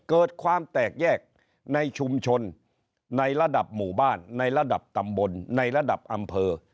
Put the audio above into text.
เกิดความแตกแยกในชุมชนในระดับหมู่บ้านในระดับตำบลในระดับอำเภอ